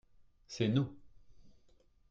c'est nous.